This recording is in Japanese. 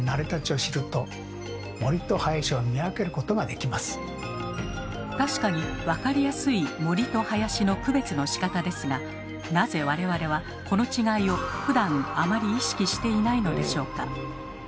こうしてそれぞれの確かに分かりやすい森と林の区別のしかたですがなぜ我々はこの違いをふだんあまり意識していないのでしょうか？